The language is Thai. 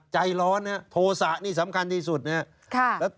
ใจร้อนโทรศะนี่สำคัญที่สุดยนต์